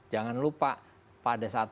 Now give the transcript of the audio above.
jangan lupa pada saat